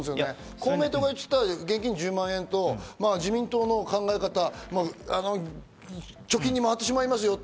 公明党が言ってた現金１０万円と、自民党の考え方、貯金に回ってしまいますよって。